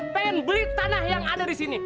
pengen beli tanah yang ada di sini